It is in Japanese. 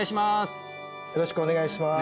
よろしくお願いします